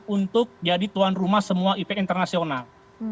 untuk jadi tuan rumah semua event internasional